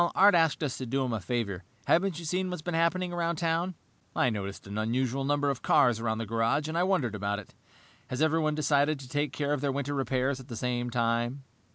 "Art asked us to do him a favor. Haven't you seen what's been happening around town?" "I noticed an unusual number of cars around the garage, and I wondered about it. Has everyone decided to take care of their winter repairs at the same time?"